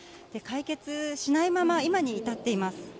解決しないまま今に至っています。